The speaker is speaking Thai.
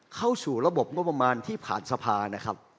เข้าสู่ระบบงบประมาณที่ผ่านสภานะครับ